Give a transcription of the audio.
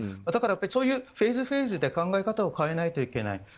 だから、フェーズフェーズで考え方を変えないといけない。